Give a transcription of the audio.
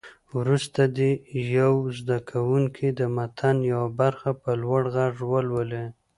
وروسته دې یو یو زده کوونکی د متن یوه برخه په لوړ غږ ولولي.